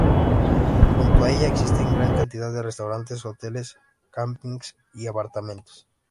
Junto a ella existen gran cantidad de restaurantes, hoteles, campings y apartamentos.